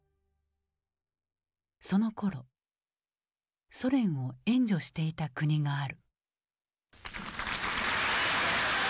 そのころソ連を援助していた国がある。